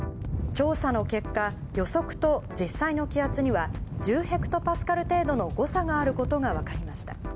調査の結果、予測と実際の気圧には、１０ヘクトパスカル程度の誤差があることが分かりました。